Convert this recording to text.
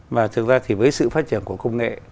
mà thực ra thì với sự phát triển của công nghệ